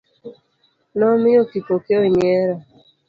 Nomiyo Kipokeo nyiero.